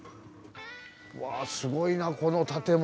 うわすごいなこの建物。